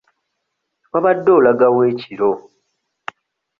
Wabadde olaga wa ekiro?